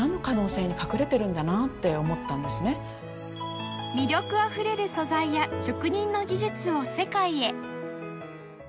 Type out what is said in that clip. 山口さんの魅力あふれる素材や職人の技術を世界へ